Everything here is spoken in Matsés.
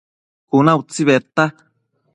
Cuna utsi bedta